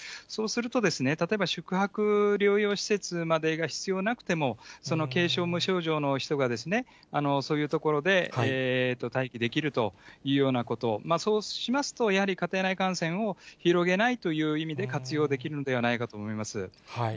そうするとですね、例えば宿泊療養施設までが必要なくても、その軽症、無症状の人がそういうところで待機できるというようなこと、そうしますと、やはり家庭内感染を広げないという意味で、活用できるのではないかと思います。